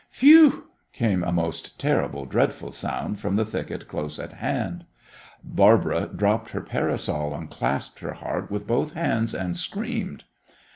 "Phew!" came a most terrible, dreadful sound from the thicket close at hand. Barbara dropped her parasol, and clasped her heart with both hands, and screamed.